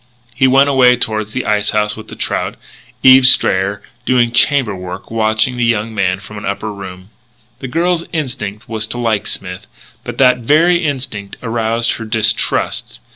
He went away toward the ice house with the trout. Eve Strayer, doing chamber work, watched the young man from an upper room. The girl's instinct was to like Smith, but that very instinct aroused her distrust.